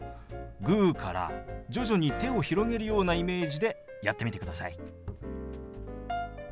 グーから徐々に手を広げるようなイメージでやってみてください。